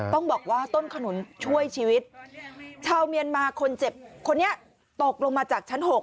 ต้องบอกว่าต้นขนุนช่วยชีวิตชาวเมียนมาคนเจ็บคนนี้ตกลงมาจากชั้น๖